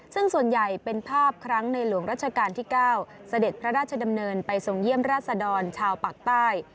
ซึ่งส่วนใหญ่เป็นภาพครั้งในหลวงรัชกาลที่๙เสด็จพระราชดำเนินไปทรงเยี่ยมราชดรชาวปากใต้